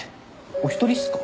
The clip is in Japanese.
お一人っすか？